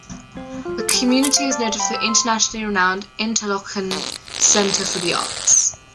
The community is noted for the internationally renowned Interlochen Center for the Arts.